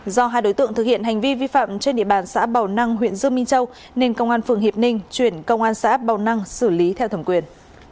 do hai đối tượng thực hiện hành vi vi phạm trên địa bàn xã bào năng huyện dương minh châu nên công an phường hiệp ninh chuyển công an xã bào năng xử lý theo thẩm quyền